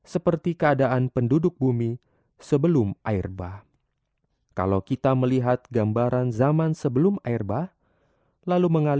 sampai jumpa di video selanjutnya